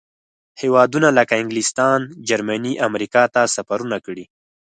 هېوادونو لکه انګلستان، جرمني، امریکا ته سفرونه کړي.